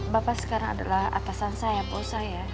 bapak sekarang adalah atasan saya bos saya